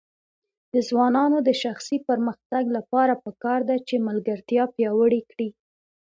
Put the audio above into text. د ځوانانو د شخصي پرمختګ لپاره پکار ده چې ملګرتیا پیاوړې کړي.